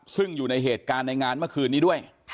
ซึ่งอยู่ในเหตุการณ์ในงานเมื่อคืนนี้ด้วย